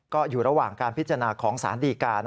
ก็อยู่ระหว่างการพิจารณาของสารดีการ